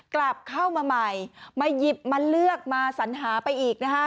กลับเข้ามาใหม่มาหยิบมาเลือกมาสัญหาไปอีกนะคะ